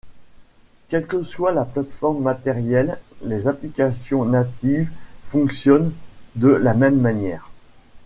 Quelle que soit la plateforme matérielle, les applications natives fonctionnent de la même manière.